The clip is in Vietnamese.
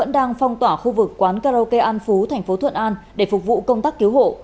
đang phong tỏa khu vực quán karaoke an phú thành phố thuận an để phục vụ công tác cứu hộ